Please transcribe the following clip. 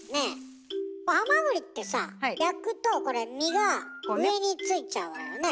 ハマグリってさ焼くとこれ身が上についちゃうわよね。